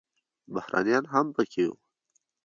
بهرنیان هم پکې وو.